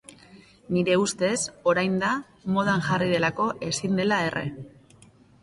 Nire ustez orain da, modan jarri delako ezin dela erre.